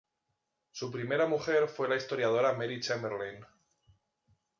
Su primera mujer fue la historiadora Mary Chamberlain.